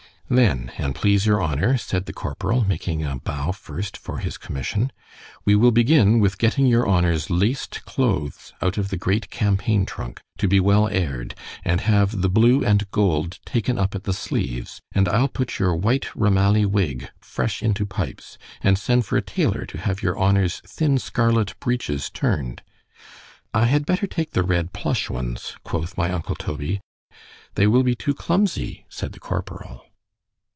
Then, an' please your honour, said the corporal (making a bow first for his commission)—we will begin with getting your honour's laced clothes out of the great campaign trunk, to be well air'd, and have the blue and gold taken up at the sleeves—and I'll put your white ramallie wig fresh into pipes—and send for a taylor, to have your honour's thin scarlet breeches turn'd—— —I had better take the red plush ones, quoth my uncle Toby—They will be too clumsy—said the corporal.